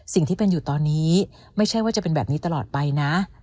สิ่งที่เป็นอยู่ตอนนี้ไม่ใช่ว่าจะเป็นแบบนี้ตลอดไปนะ